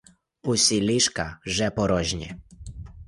Усі ліжка вже порожні.